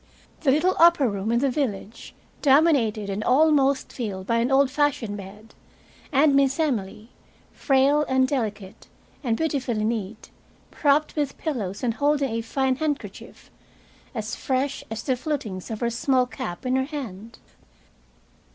The little upper room in the village, dominated and almost filled by an old fashioned bed, and Miss Emily, frail and delicate and beautifully neat, propped with pillows and holding a fine handkerchief, as fresh as the flutings of her small cap, in her hand.